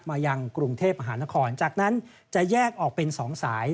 ยังกรุงเทพมหานครจากนั้นจะแยกออกเป็น๒สาย